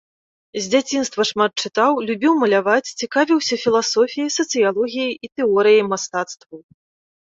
З дзяцінства шмат чытаў, любіў маляваць, цікавіўся філасофіяй, сацыялогіяй і тэорыяй мастацтваў.